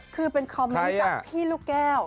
คือเป็นคอมเมนต์จากพี่ลูกแก้ว